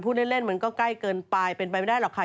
เล่นมันก็ใกล้เกินไปเป็นไปไม่ได้หรอกค่ะ